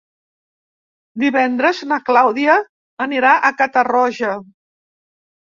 Divendres na Clàudia anirà a Catarroja.